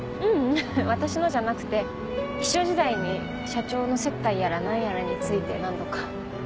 ううん私のじゃなくて秘書時代に社長の接待やら何やらに付いて何度か。